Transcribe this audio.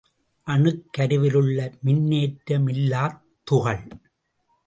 அணுக்கருவிலுள்ள மின்னேற்ற மில்லாத் துகள்.